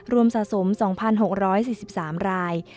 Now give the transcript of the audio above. รวมสะสม๒๖๔๓ราย